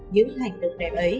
những hành động đẹp ấy